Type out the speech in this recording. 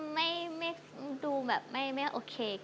ไม่ดูแบบไม่โอเค